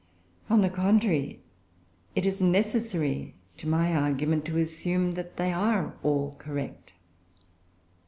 On the contrary, it is necessary to my argument to assume that they are all correct.